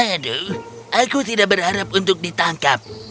aduh aku tidak berharap untuk ditangkap